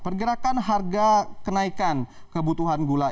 pergerakan harga kenaikan kebutuhan gula